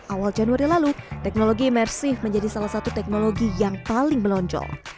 awal januari lalu teknologi imersif menjadi salah satu teknologi yang paling melonjol